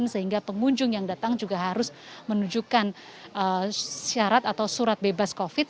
sehingga pengunjung yang datang juga harus menunjukkan syarat atau surat bebas covid